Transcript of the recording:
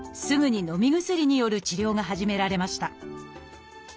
すぐにのみ薬による治療が始められました。